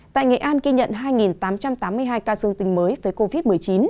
tại nghệ an ghi nhận hai tám trăm tám mươi hai ca dương tình mới với covid một mươi chín